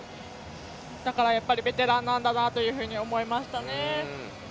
だからやっぱりベテランなんだと思いましたね。